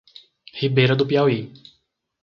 Ribeira do Piauí